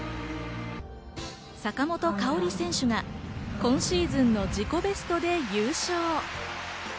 坂本花織選手が今シーズンの自己ベストで優勝。